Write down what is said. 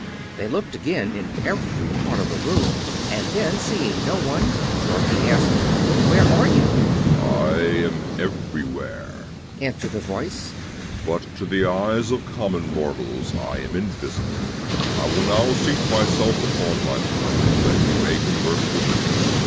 They looked again in every part of the room, and then, seeing no one, Dorothy asked, "Where are you?" "I am everywhere," answered the Voice, "but to the eyes of common mortals I am invisible. I will now seat myself upon my throne, that you may converse with me."